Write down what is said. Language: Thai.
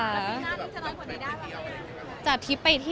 มันเป็นปัญหาจัดการอะไรครับ